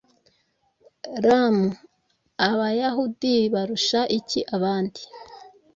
Rm Abayahudi barusha iki abandi